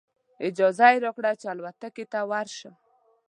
اجازه یې راکړه چې الوتکې ته ورشم.